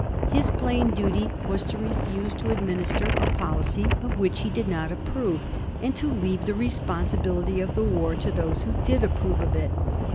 His plain daty was to refuse to administer a pol icy of which he did not approve, and to leave the respon sibility of the war to those who did approve of it.